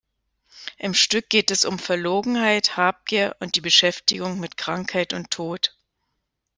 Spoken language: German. Im Stück geht es um Verlogenheit, Habgier und die Beschäftigung mit Krankheit und Tod.